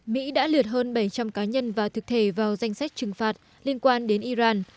mỹ đã liệt hơn bảy trăm linh cá nhân và thực thể vào danh sách trừng phạt liên quan đến iran